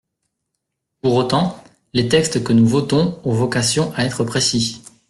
Pour autant, les textes que nous votons ont vocation à être précis.